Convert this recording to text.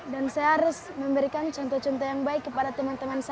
dan saya harus memberikan contoh contoh yang baik kepada teman teman saya